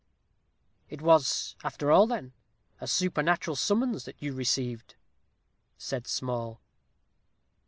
"It was, after all, then, a supernatural summons that you received?" said Small.